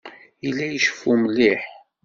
Yella iceffu mliḥ.